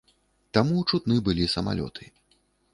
Таму чутны былі самалёты.